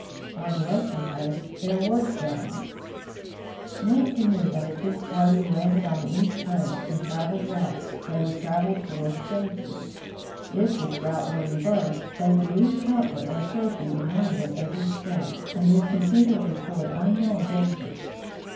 On the western coast there were settlements. io6 THE FROZEN NORTH Nansen knew that if his party landed on the east coast and traveled west, they would travel toward safety. If this route were reversed, they would leave comfort and safety behind at every step, and move continually toward unknown dangers.